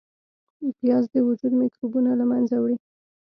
پیاز د وجود میکروبونه له منځه وړي